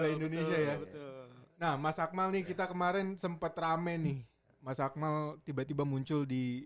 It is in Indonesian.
indonesia ya nah masak maling kita kemarin sempet rame nih masak mal tiba tiba muncul di